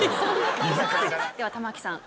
では玉木さん